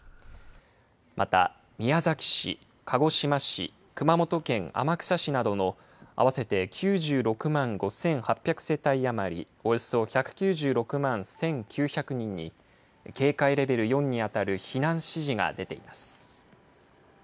また宮崎市、鹿児島市熊本県天草市などの合わせて９６万５８００世帯余りおよそ１９６万１９００人に警戒レベル４に当たる避難指示が出ています。